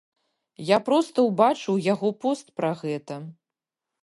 Я проста ўбачыў яго пост пра гэта.